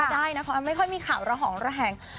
ไม่ได้นะครับไม่ค่อยมีข่าวระหองแหง